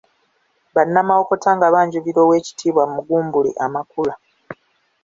Bannamawokota nga banjulira Owekitiibwa Mugumbule amakula.